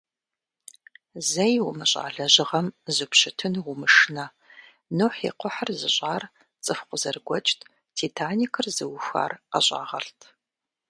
Зэи умыщӏа лэжьыгъэм зупщытыну умышынэ: Нухь и кхъухьыр зыщӏар цӏыху къызэрыгуэкӏт, «Титаникыр» зыухуар ӏэщӏагъэлӏт.